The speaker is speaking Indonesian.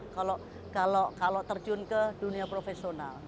kalau terjun ke dunia profesional